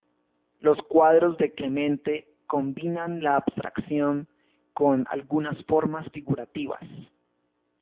Los cuadros de Clemente combinan la abstracción con algunas formas figurativas.